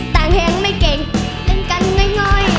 แต่งเพลงไม่เก่งเล่นกันง่อย